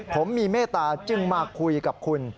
ผมมีเมตตาจึงมาคุยกับคุณ